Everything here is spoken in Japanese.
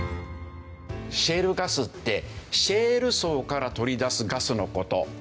シェールガスってシェール層から取り出すガスの事。